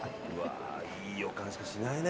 いい予感しかしないね。